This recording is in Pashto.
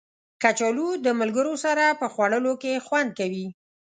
کچالو د ملګرو سره په خوړلو کې خوند کوي